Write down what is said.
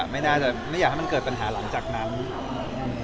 ไม่อยากให้มันเกิดปัญหาหลังจากนั้น